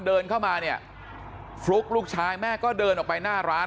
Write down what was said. เดินเข้ามาเนี่ยฟลุ๊กลูกชายแม่ก็เดินออกไปหน้าร้าน